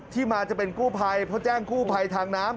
ที่มาจะเป็นกู้ภัยเพราะแจ้งกู้ภัยทางน้ำ